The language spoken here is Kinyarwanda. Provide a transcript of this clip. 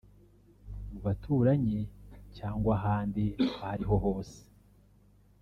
mu baturanyi cyangwa ahandi aho ariho hose